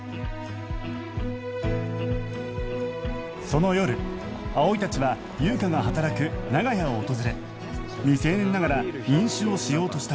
その夜葵たちは優香が働く長屋を訪れ未成年ながら飲酒をしようとしたが